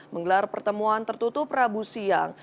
menggelar pertemuan tertutup rabu siang